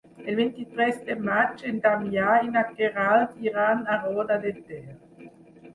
El vint-i-tres de maig en Damià i na Queralt iran a Roda de Ter.